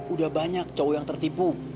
udah banyak cowok yang tertipu